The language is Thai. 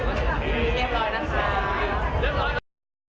ก็ไม่มีเวลาให้กลับมาเที่ยว